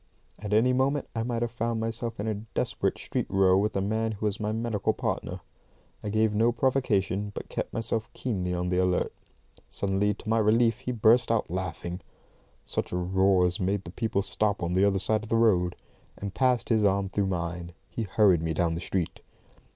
At any moment I might have found myself in a desperate street row with a man who was my medical partner. I gave no provocation, but kept myself keenly on the alert. Suddenly, to my relief, he burst out laughing (such a roar as made the people stop on the other side of the road), and passing his arm through mine, he hurried me down the street.